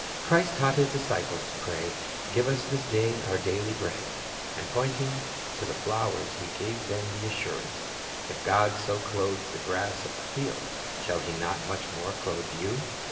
"^ Christ taught His disciples to pray, "Give us this day our daily bread." And pointing to the the flowers He gave them the assurance, "If God so clothe the grass of the field, ... shall He not much more clothe you?"